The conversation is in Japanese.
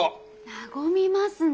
和みますね。